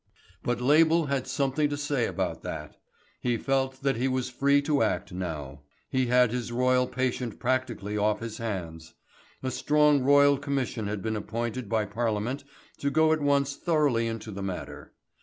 But Label had something to say about that. He felt that he was free to act now, he had his royal patient practically off his hands. A strong Royal Commission had been appointed by Parliament to go at once thoroughly into the matter.